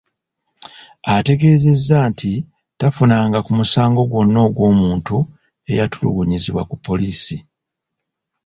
Ategeezezza nti tafunanga ku musango gwonna ogw'omuntu eyatulugunyizibwako poliisi.